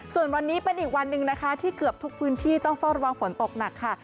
ส่วนวันนี้เป็นอีกวันหนึ่งนะคะที่เกือบทุกพื้นที่ต้องเฝ้าระวังฝนตกหนักค่ะ